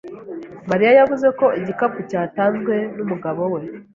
Mariya yavuze ko igikapu cyatanzwe n'umugabo we.